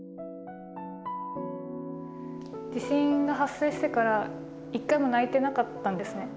地震が発生してから一回も泣いてなかったんですね。